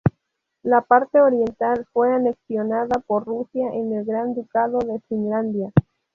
La parte oriental fue anexionada por Rusia en el Gran Ducado de Finlandia.